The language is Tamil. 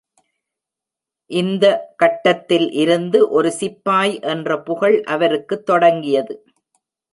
இந்த கட்டத்தில் இருந்து ஒரு சிப்பாய் என்ற புகழ் அவருக்கு தொடங்கியது.